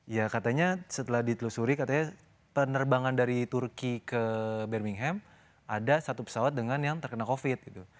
ya katanya setelah ditelusuri katanya penerbangan dari turki ke birmingham ada satu pesawat dengan yang terkena covid gitu